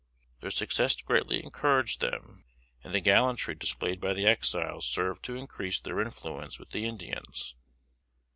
Their success greatly encouraged them, and the gallantry displayed by the Exiles served to increase their influence with the Indians.